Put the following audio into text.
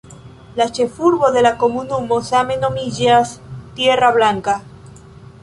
La ĉefurbo de la komunumo same nomiĝas "Tierra Blanca".